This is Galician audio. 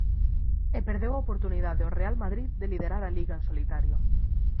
E perdeu a oportunidade o Real Madrid de liderar a Liga en solitario.